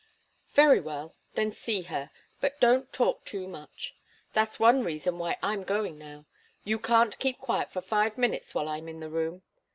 "Very well. Then see her. But don't talk too much. That's one reason why I'm going now. You can't keep quiet for five minutes while I'm in the room.